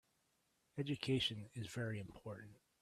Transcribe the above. Education is very important.